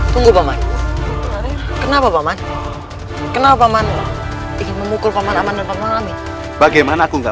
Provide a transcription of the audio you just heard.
tunggu bapak kenapa bapak kenapa bapak ingin memukul paman paman bagaimana aku nggak